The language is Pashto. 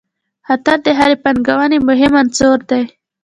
خطر د هرې پانګونې مهم عنصر دی.